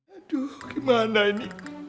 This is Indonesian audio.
aduh gimana ini